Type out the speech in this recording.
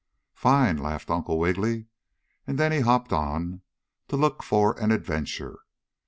"Fine!" laughed Uncle Wiggily, and then he hopped on to look for an adventure.